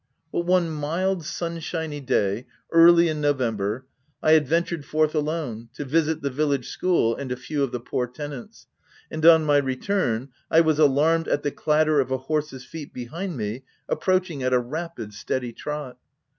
But one mild, sunshiny day, early in Novem ber, I had ventured forth alone, to visit the village school and a few of the poor tenants, and on my return, I was alarmed at the clatter of a horse's feet behind me approaching at a rapid, steady trot.